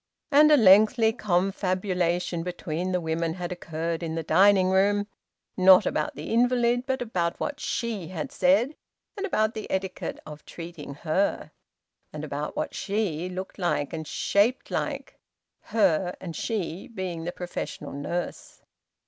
And a lengthy confabulation between the women had occurred in the dining room, not about the invalid, but about what `she' had said, and about the etiquette of treating `her,' and about what `she' looked like and shaped like; `her' and `she' being the professional nurse.